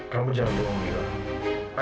kamu jangan lupa mila